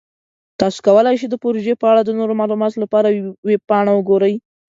تاسو کولی شئ د پروژې په اړه د نورو معلوماتو لپاره ویب پاڼه وګورئ.